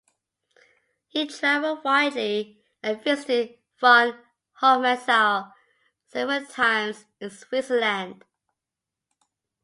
He travelled widely and visited von Hofmannsthal several times in Switzerland.